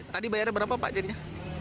tadi bayarnya berapa pak jadinya